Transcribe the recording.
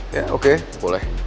ya oke boleh